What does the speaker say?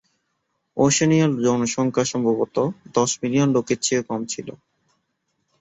ওশেনিয়ার জনসংখ্যা সম্ভবত দশ মিলিয়ন লোকের চেয়ে কম ছিল।